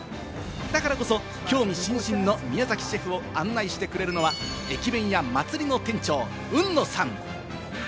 だからこそ興味津々の宮崎シェフを案内してくれるのは「駅弁屋祭」の店長・海野さん。